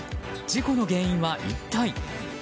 事故の原因は一体？